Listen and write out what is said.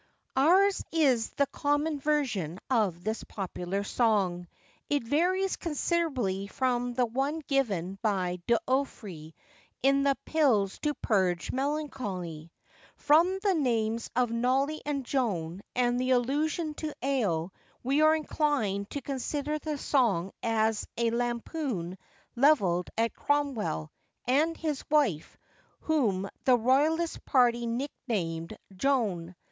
[OURS is the common version of this popular song; it varies considerably from the one given by D'Urfey, in the Pills to purge Melancholy. From the names of Nolly and Joan and the allusion to ale, we are inclined to consider the song as a lampoon levelled at Cromwell, and his wife, whom the Royalist party nick named 'Joan.